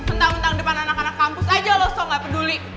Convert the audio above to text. entah entah depan anak anak kampus aja loh so nggak peduli